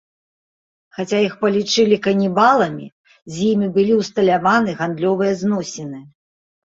Хаця іх палічылі канібаламі, з імі былі ўсталяваны гандлёвыя зносіны.